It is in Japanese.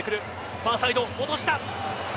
ファーサイド落とした。